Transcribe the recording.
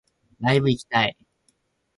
ライブ行きたい